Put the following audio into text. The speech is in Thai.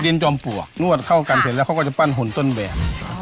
จอมปลวกนวดเข้ากันเสร็จแล้วเขาก็จะปั้นหุ่นต้นแบบ